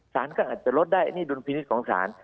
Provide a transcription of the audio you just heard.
สารก็อาจจะลดได้อันนี้ดุลพินิษฐ์ของศาล